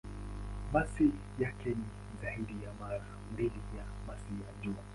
Masi yake ni zaidi ya mara mbili ya masi ya Jua.